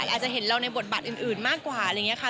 อาจจะเห็นเราในบทบาทอื่นมากกว่าอะไรอย่างนี้ค่ะ